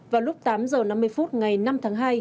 vào lúc tám h năm mươi phút ngày năm tháng hai